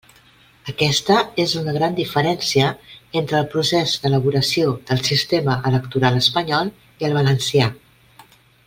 Aquesta és una gran diferència entre el procés d'elaboració del sistema electoral espanyol i el valencià.